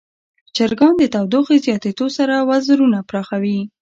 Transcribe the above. چرګان د تودوخې زیاتیدو سره وزرونه پراخوي.